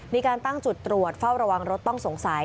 มีการตั้งจุดตรวจเฝ้าระวังรถต้องสงสัย